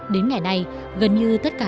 đến ngày nay gần như tất cả